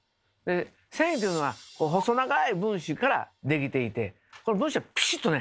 繊維というのは細長い分子からできていてこの分子がピシッとね